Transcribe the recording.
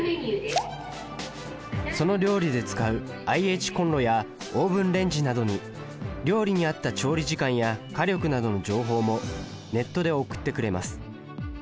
その料理で使うＩＨコンロやオーブンレンジなどに料理に合った調理時間や火力などの情報もネットで送ってくれます